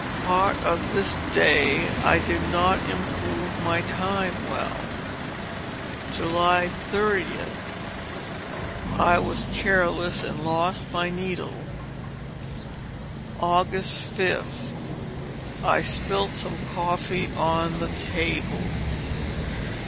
Part of this day I did not improve my time well. " 30. I was careless and lost my needle. Aug. 5. I spilt some coffee on the table."